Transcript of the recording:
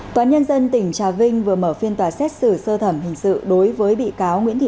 tòa nhân dân tỉnh trà vinh vừa mở phiên tòa xét xử sơ thẩm hình sự đối với bị cáo nguyễn thị